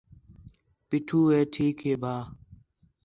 پیٹھو ہے ٹھیک ہے بھا